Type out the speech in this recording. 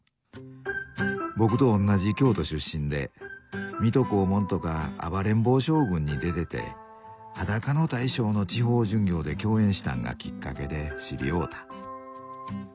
僕とおんなじ京都出身で「水戸黄門」とか「暴れん坊将軍」に出てて「裸の大将」の地方巡業で共演したんがきっかけで知り合うた。